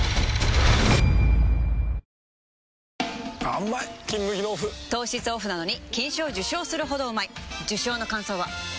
あーうまい「金麦」のオフ糖質オフなのに金賞受賞するほどうまい受賞の感想は？